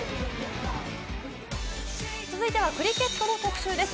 続いてはクリケットの特集です。